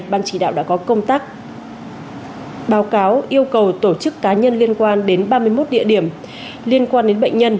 ban chỉ đạo đã có công tác báo cáo yêu cầu tổ chức cá nhân liên quan đến ba mươi một địa điểm liên quan đến bệnh nhân